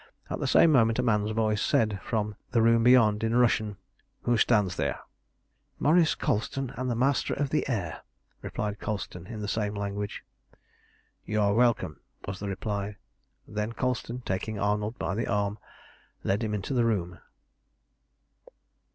At the same moment a man's voice said from the room beyond in Russian "Who stands there?" "Maurice Colston and the Master of the Air," replied Colston in the same language. "You are welcome," was the reply, and then Colston, taking Arnold by the arm, led him into the room.